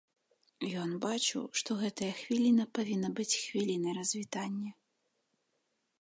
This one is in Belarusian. Ён бачыў, што гэтая хвіліна павінна быць хвілінай развітання.